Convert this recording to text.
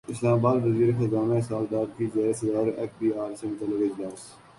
اسلام اباد وزیر خزانہ اسحاق ڈار کی زیر صدارت ایف بی ار سے متعلق اجلاس